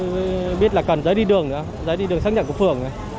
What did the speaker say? mình mới biết là cần giấy đi đường nữa giấy đi đường xác nhận của phưởng này